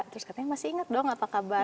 terus katanya masih ingat dong apa kabar